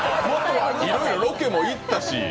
いろいろロケも行ったし。